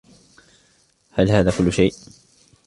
هل هذا کل شی؟